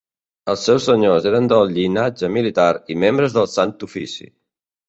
Els seus senyors eren del llinatge militar i membres del Sant Ofici.